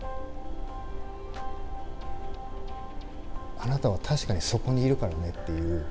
あなたは確かにそこにいるからねっていう。